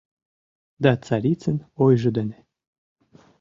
Да царицын ойжо дене